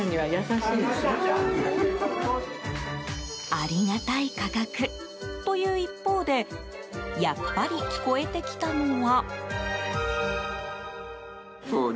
ありがたい価格という一方でやっぱり聞こえてきたのは。